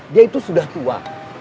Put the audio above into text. dia itu sudah tua